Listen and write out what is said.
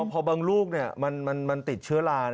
พอบางลูกมันติดเชื้อลา